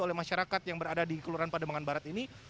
oleh masyarakat yang berada di kelurahan pademangan barat ini